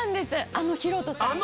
あのヒロトさんが。